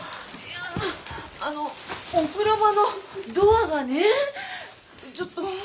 あのお風呂場のドアがねちょっと。